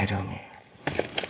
selamat ulang tahun ya mas rendy